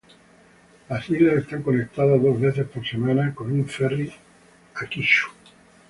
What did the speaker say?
Las islas están conectadas dos veces por semana por un ferry a Kyushu.